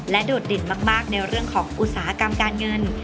โดดเด่นมากในเรื่องของอุตสาหกรรมการเงิน